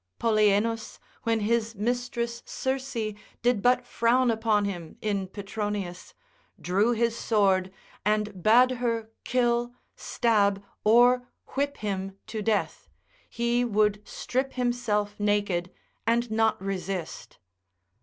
Polienus, when his mistress Circe did but frown upon him in Petronius, drew his sword, and bade her kill, stab, or whip him to death, he would strip himself naked, and not resist.